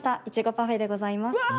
いちごパフェでございます。